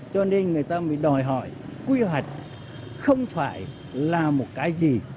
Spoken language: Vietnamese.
cho nên người ta mới đòi hỏi quy hoạch không phải là một cái gì